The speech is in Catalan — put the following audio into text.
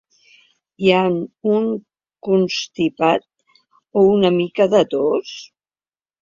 I amb un constipat o una mica de tos?